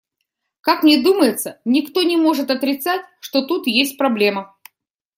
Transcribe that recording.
Как мне думается, никто не может отрицать, что тут есть проблема.